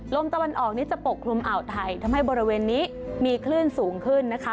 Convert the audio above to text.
ลมตะวันออกนี้จะปกคลุมอ่าวไทยทำให้บริเวณนี้มีคลื่นสูงขึ้นนะคะ